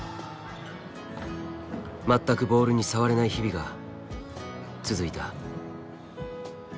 全くボールに触れない日々が続いた。